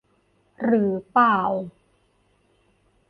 หรือเปล่า